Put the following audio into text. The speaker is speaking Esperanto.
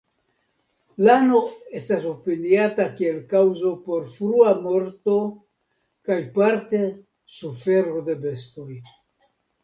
Lano estas opiniata kiel kaŭzo por frua morto kaj parte sufero de bestoj.